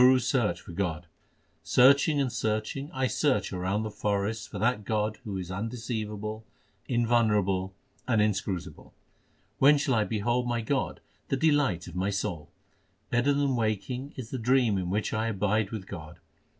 The Guru s search for God : Searching and searching I search round the forests For that God who is undeceivable, invulnerable, and in scrutable. When shall I behold my God the delight of my soul ? Better than waking is the dream in which I abide with God.